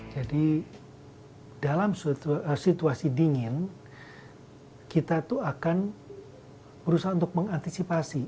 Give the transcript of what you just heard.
jadi dalam situasi dingin kita tuh akan berusaha untuk mengantisipasi